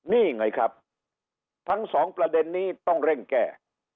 นี่ไงครับทั้งสองประเด็นนี้ต้องเร่งแก้